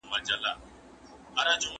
زه اجازه لرم چي د کتابتون کتابونه لوستل کړم؟